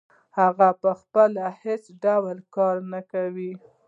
هغه پخپله هېڅ ډول کار نه کوي